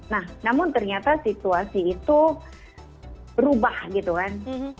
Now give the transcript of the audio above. nah namun ternyata situasi itu berubah gitu kan